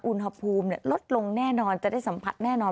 อุณหภูมิลดลงแน่นอนจะได้สัมผัสแน่นอน